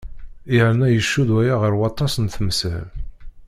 Yerna icudd waya ɣer waṭas n temsal.